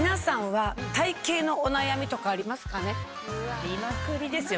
ありまくりですよ！